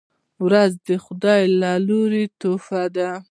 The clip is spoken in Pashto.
روح د خداي له لورې تحفه ده